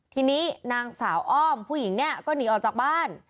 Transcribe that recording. ทีนี้นางสาวอ้อมผู้หญิงเนี่ยก็หนีออกจากบ้าน